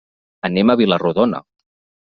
Anem a Vila-rodona.